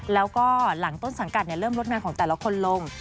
แล้วก็หลังต้นสังกัดเริ่มลดงานของแต่ละคนลง